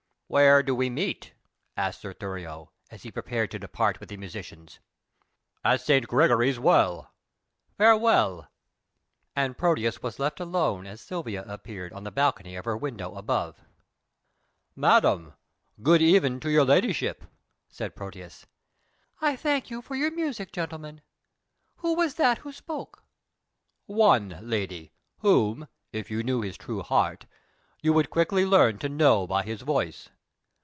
"Where do we meet?" asked Sir Thurio, as he prepared to depart with the musicians. "At St. Gregory's Well." "Farewell!" And Proteus was left alone as Silvia appeared on the balcony of her window above. "Madam, good even to your ladyship," said Proteus. "I thank you for your music, gentlemen. Who was that who spoke?" "One, lady, whom if you knew his true heart you would quickly learn to know by his voice."